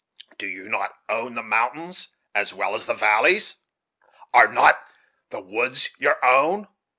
Do you not own the mountains as well as the valleys? are not the woods your own?